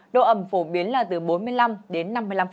độ ẩm phổ biến là từ bốn mươi năm đến năm mươi năm